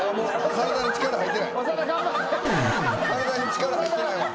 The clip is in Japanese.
体に力入ってないわ。